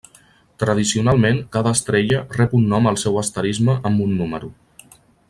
Tradicionalment, cada estrella rep un nom al seu asterisme amb un número.